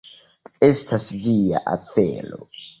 Estas via afero.